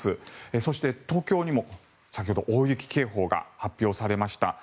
そして、東京にも先ほど大雪警報が発表されました。